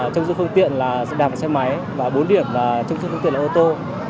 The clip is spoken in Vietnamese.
trông giữ phương tiện là xe đạp và xe máy và bốn điểm là trông giữ phương tiện là ô tô